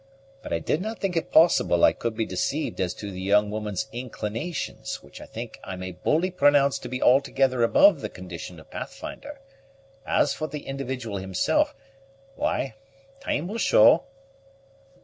But I did not think it possible I could be deceived as to the young woman's inclinations, which I think I may boldly pronounce to be altogether above the condition of Pathfinder. As for the individual himself why, time will show."